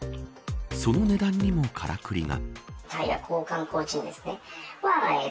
その値段にもからくりが。